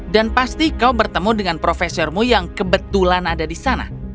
dan pasti kau bertemu dengan profesormu yang kebetulan ada di sana